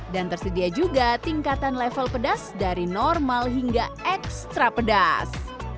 dan tersedia juga tingkatan level pedas dari normal hingga ekstra pedas